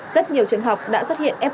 rất nhiều trường học đã xuất hiện f